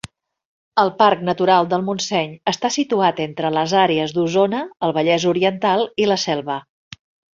El Parc Natural del Montseny està situat entre les àrees d'Osona, el Vallès Oriental i la Selva.